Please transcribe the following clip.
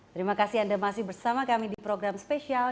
terima kasih anda masih bersama kami di program spesial